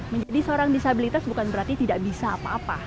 menjadi seorang disabilitas bukan berarti tidak bisa apa apa